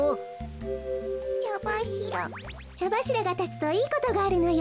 ちゃばしらがたつといいことがあるのよ。